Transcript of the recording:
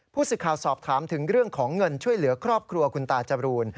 สิทธิ์ข่าวสอบถามถึงเรื่องของเงินช่วยเหลือครอบครัวคุณตาจรูน